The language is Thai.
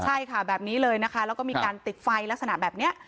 ใช่ค่ะแบบนี้เลยนะคะแล้วก็มีการติดไฟลักษณะแบบนี้